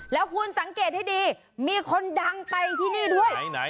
แล้วคุณสังเกตให้ดีมีคนดังไปที่นี่ด้วย